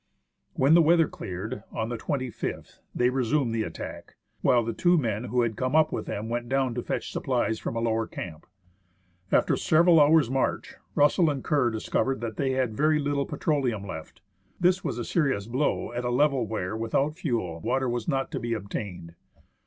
When the weather cleared, on the 25th, they resumed the attack, while the two men who had come up with them went down to fetch supplies from a lower camp. After several hours' march, Russell and Kerr dis covered that they had very little petroleum left. This was a serious blow at a level where, without fuel, water was not to be obtained.